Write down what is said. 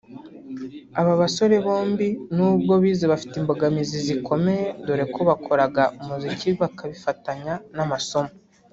Aba basore bombi n’ubwo bize bafite imbogamizi zikomeye dore ko bakoraga umuziki babifatanya n’amasomo